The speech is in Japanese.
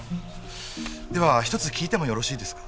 では一つ聞いてもよろしいですか？